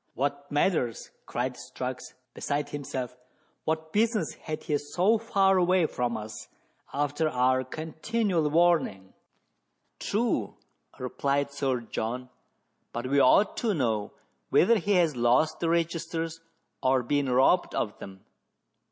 "What matters?" cried Strux, beside himself; "what business had he so far away from us, after our continual warning.?" " True," replied Sir John, " but we ought to know whether he has lost the registers or been robbed of them..